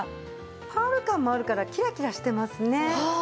パール感もあるからキラキラしてますね。